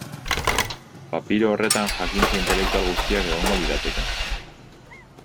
Papiro horretan jakintza intelektual guztiak egongo lirateke.